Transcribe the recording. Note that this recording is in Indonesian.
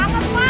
gak tau pak